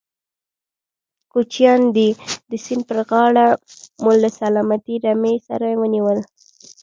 کوچيان دي، د سيند پر غاړه مو له سلامتې رمې سره ونيول.